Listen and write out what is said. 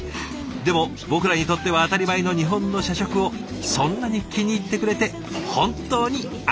でも僕らにとっては当たり前の日本の社食をそんなに気に入ってくれて本当にありがとうございます。